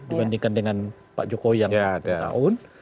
dibandingkan dengan pak jokowi yang lima tahun